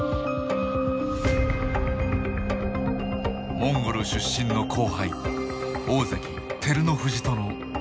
モンゴル出身の後輩大関照ノ富士との全勝対決。